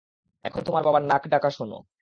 এখন তোমার বাবার নাক ডাকা শুনো।